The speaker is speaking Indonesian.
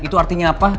itu artinya apa